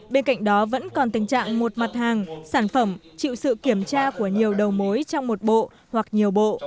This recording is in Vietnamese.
bên cạnh đó vẫn còn tình trạng một mặt hàng sản phẩm chịu sự kiểm tra của nhiều đầu mối trong một bộ hoặc nhiều bộ